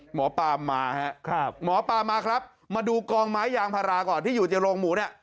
หมอปลามาครับหมอปลามาครับมาดูกองไม้ยางพาราก่อนที่อยู่ในโรงหมูเนี่ย